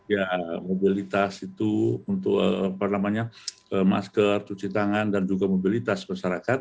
ya mobilitas itu untuk apa namanya masker cuci tangan dan juga mobilitas persyarakat